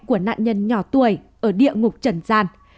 của nạn nhân nhỏ tuổi ở địa ngục trần gian